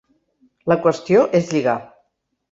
La qüestió és lligar.